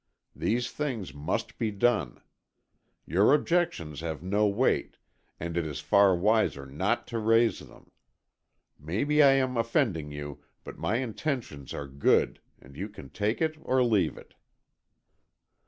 These things must be done. Your objections have no weight, and it is far wiser not to raise them. Maybe I am offending you, but my intentions are good, and you can take it or leave it."